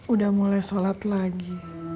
udah mulai sholat lagi